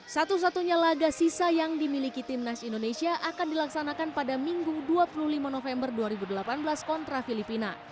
satu satunya laga sisa yang dimiliki timnas indonesia akan dilaksanakan pada minggu dua puluh lima november dua ribu delapan belas kontra filipina